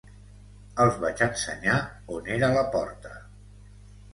Els vaig ensenyar on era la porta.